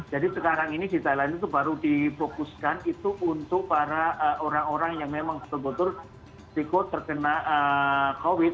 jadi sekarang ini di thailand itu baru difokuskan itu untuk para orang orang yang memang terbentur psiko terkena covid